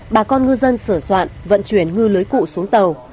bà con ngư dân sửa soạn vận chuyển ngư lưới cụ xuống tàu